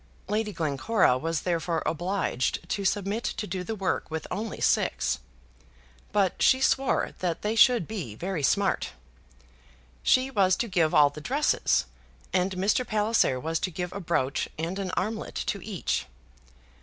Lady Glencora was therefore obliged to submit to do the work with only six. But she swore that they should be very smart. She was to give all the dresses, and Mr. Palliser was to give a brooch and an armlet to each.